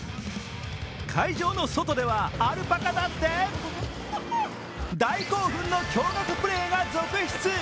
会場の外ではアルパカだって大興奮の驚がくプレーが続出。